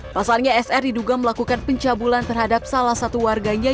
pasalnya sr diduga melakukan pencabulan terhadap salah satu warganya